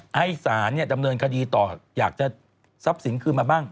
ให้สารดำเนินคดีต่ออยากจะทรัพย์สินคืนมาบ้าง